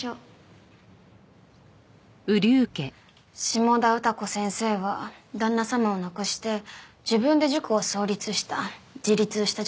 下田歌子先生は旦那様を亡くして自分で塾を創立した自立した女性よ。